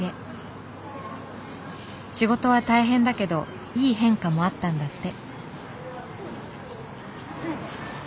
仕事は大変だけどいい変化もあったんだって。